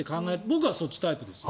僕はそっちタイプです。